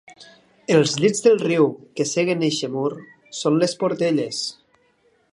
Els llits del riu que seguen eixe mur són les portelles.